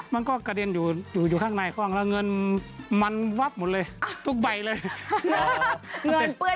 มันก็กระเด็นอยู่ข้างในกล้องแล้วเงินมันวับหมดเลยทุกใบเลย